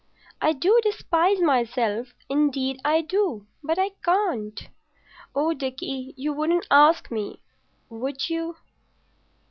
"I do despise myself—indeed I do. But I can't. Oh, Dickie, you wouldn't ask me—would you?"